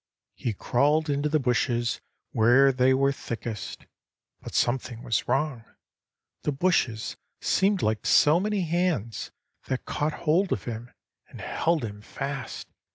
"He crawled into the bushes where they were thickest. But something was wrong; the bushes seemed like so many hands, that caught hold of him, and held him fast.